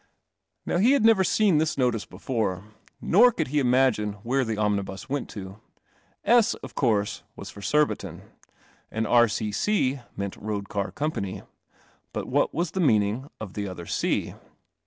Now he had never seen this notice before, nor could he imagine where the omnibus went to. S. of course was for Surbiton, and R.C.C. meant Road Car Company. But what was the meaning of the other C.